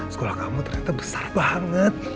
sekolah kamu ternyata besar banget